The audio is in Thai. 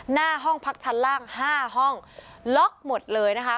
หน้าห้องพักชั้นล่าง๕ห้องล็อกหมดเลยนะคะ